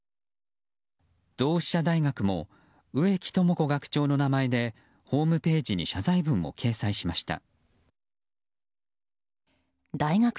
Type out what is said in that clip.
同志社大学も植木朝子学長の名前でホームページに謝罪文を掲載しました。